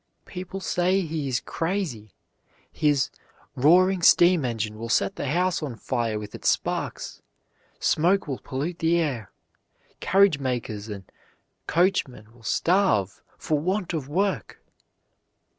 People say he is crazy; his "roaring steam engine will set the house on fire with its sparks"; "smoke will pollute the air"; "carriage makers and coachmen will starve for want of work."